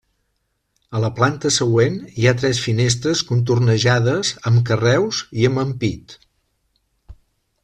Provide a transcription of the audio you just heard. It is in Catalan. A la planta següent hi ha tres finestres contornejades amb carreus i amb ampit.